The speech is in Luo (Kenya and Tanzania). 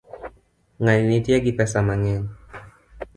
Ngani nitie gi pesa mangeny